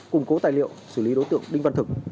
củng cố tài liệu xử lý đối tượng đinh văn thực